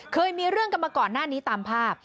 เคยมีเรื่องกันมาก่อนหน้านี้ตามภาพ